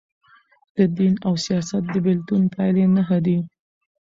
د دین او سیاست د بیلتون پایلي نهه دي.